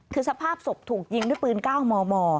คือสภาพศพถูกยิงด้วยปืน๙มม